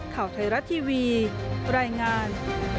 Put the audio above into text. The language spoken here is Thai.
ข่าวไทยรัฐทีวีรายงาน